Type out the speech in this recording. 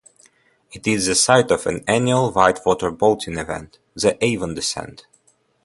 It is the site of an annual whitewater boating event, the Avon Descent.